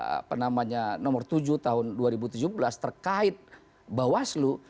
apa namanya nomor tujuh tahun dua ribu tujuh belas terkait bawaslu